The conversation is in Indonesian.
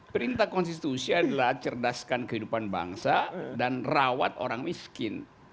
perintah konstitusi adalah cerdaskan kehidupan bangsa dan rawat orang miskin